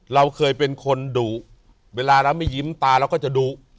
เราเคยเป็นคนดุเวลาเราไม่ยิ้มตาเราก็จะดุ